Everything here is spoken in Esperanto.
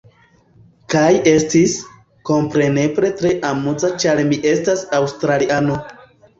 Kaj estis, kompreneble tre amuza ĉar mi estas aŭstraliano.